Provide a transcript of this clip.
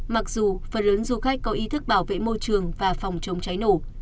mặc dù phần lớn du khách có ý thức bảo vệ môi trường và phòng chống cháy nổ